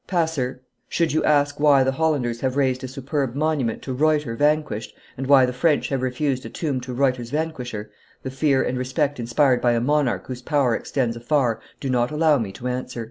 Passer, should you ask why the Hollanders have raised a superb monument to Ruyter vanquished, and why the French have refused a tomb to Ruyter's vanquisher, the fear and respect inspired by a monarch whose power extends afar do not allow me to answer."